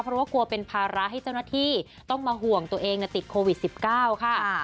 เพราะว่ากลัวเป็นภาระให้เจ้าหน้าที่ต้องมาห่วงตัวเองติดโควิด๑๙ค่ะ